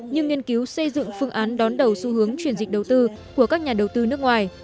như nghiên cứu xây dựng phương án đón đầu xu hướng chuyển dịch đầu tư của các nhà đầu tư nước ngoài